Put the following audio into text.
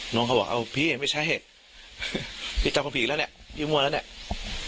น้องเขาบอกเอ้าพี่ไม่ใช่พี่ทำผิดแล้วเนี้ยพี่มั่วแล้วเนี้ย